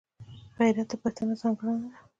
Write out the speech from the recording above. غیرت د پښتانه ځانګړنه ده